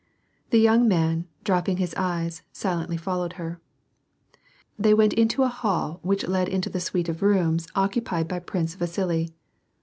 The young man, dropping his eyes, silently followed her. They went into a hall which led into the suite of rooms occupied by Prince Vasili.